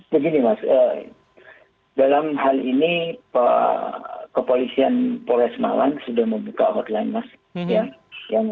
begini mas dalam hal ini kepolisian polres malang sudah membuka hotline mas